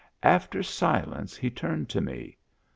After silence he turned to me.